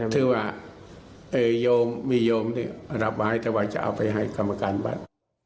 ถือว่าโยมมีโยมรับมาให้ตะวาจะเอาไปให้กรรมการวัด